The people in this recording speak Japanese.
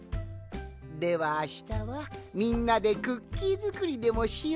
ではあしたはみんなでクッキーづくりでもしようかの。